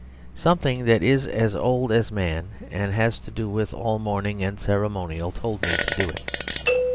Something that is as old as man and has to do with all mourning and ceremonial told me to do it.